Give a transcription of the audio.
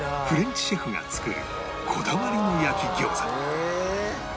フレンチシェフが作るこだわりの焼き餃子